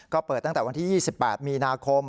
ก็เปิดตั้งแต่วันที่๒๘มีนาคม